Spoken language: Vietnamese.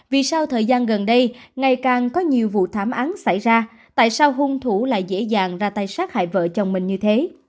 vì sau thời gian gần đây ngày càng có nhiều vụ thảm án xảy ra tại sao hung thủ lại dễ dàng ra tay sát hại vợ chồng mình như thế